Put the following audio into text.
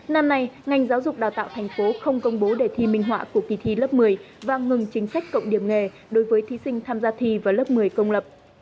năm nay ngành giáo dục đào tạo thành phố không công bố đề thi minh họa của kỳ thi lớp một mươi và ngừng chính sách cộng điểm nghề đối với thí sinh tham gia thi vào lớp một mươi công lập